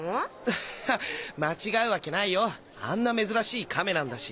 アッハ間違うわけないよあんな珍しい亀なんだし。